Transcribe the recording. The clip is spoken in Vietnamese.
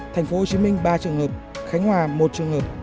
thành phố hồ chí minh ba trường hợp khánh hòa một trường hợp